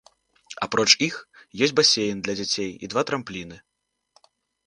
Апроч іх, ёсць басейн для дзяцей і два трампліны.